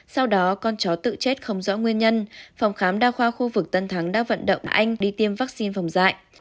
sau đó con chó tự chết không rõ nguyên nhân phòng khám đa khoa khu vực tân thắng đã vận động anh đi tiêm vaccine phòng dạy